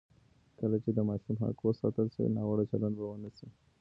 کله چې د ماشوم حق وساتل شي، ناوړه چلند به ونه شي.